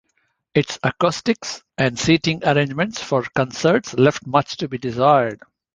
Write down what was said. Its acoustics and seating arrangement for concerts left much to be desired.